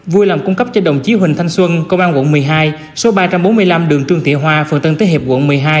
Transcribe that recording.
vui lòng cung cấp cho đồng chí huỳnh thanh xuân công an quận một mươi hai số ba trăm bốn mươi năm đường trường thị hòa phần tân tới hiệp quận một mươi hai